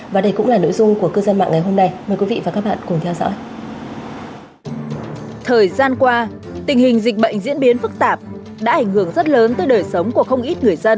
và đây cũng là nội dung của cư dân mạng ngày hôm nay